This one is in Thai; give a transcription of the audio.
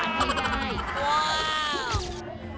ใหญ่ชิงครบทองคำและเงินสดหนึ่งหมื่นบาทให้ได้